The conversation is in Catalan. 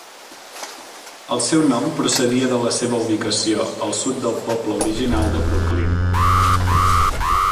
El seu nom procedia de la seva ubicació, al sud del poble original de Brooklyn.